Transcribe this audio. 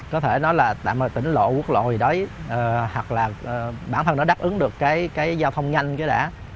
có thể nói là tạm tỉnh lộ quốc lộ gì đấy hoặc là bản thân nó đáp ứng được cái giao thông nhanh cái đã